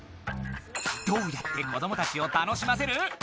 どうやって子どもたちを楽しませる？